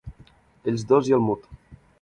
Ells dos i el Mud.